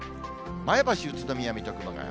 前橋、宇都宮、水戸、熊谷。